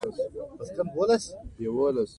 افغانستان د کندز سیند له پلوه متنوع دی.